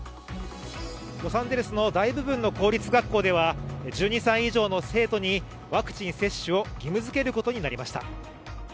ロサンゼルスの大部分の公立学校では１２歳以上の生徒にワクチン接種を義務付けることになりました。